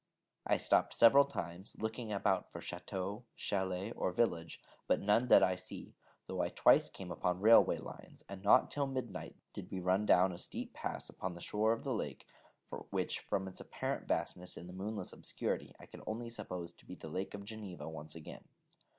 I stopped several times, looking about for château, chalet, or village, but none did I see, though I twice came upon railway lines; and not till midnight did we run down a rather steep pass upon the shore of a lake, which, from its apparent vastness in the moonless obscurity, I could only suppose to be the Lake of Geneva once again.